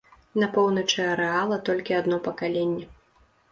На поўначы арэала толькі адно пакаленне.